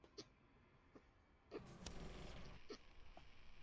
akikutana na viongozi wa serikali ya mpito